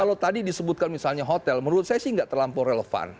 kalau tadi disebutkan misalnya hotel menurut saya sih nggak terlampau relevan